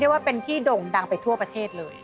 ว่าเป็นที่ด่งดังไปทั่วประเทศเลย